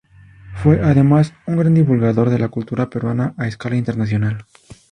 Fue además un gran divulgador de la cultura peruana a escala internacional.